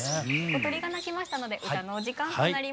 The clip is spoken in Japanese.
小鳥が鳴きましたので歌のお時間となります。